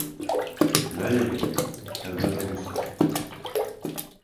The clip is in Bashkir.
— Мә, егет, хеҙмәтең өсөн!..